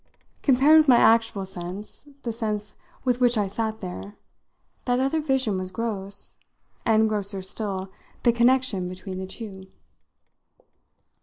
Compared with my actual sense, the sense with which I sat there, that other vision was gross, and grosser still the connection between the two.